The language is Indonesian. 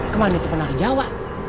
kemana itu pernah ke jawa